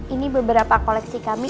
ini beberapa koleksi kami bisa mas pilih